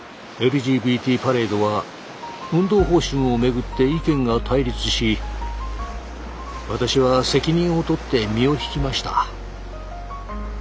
パレードは運動方針をめぐって意見が対立し私は責任を取って身を引きました。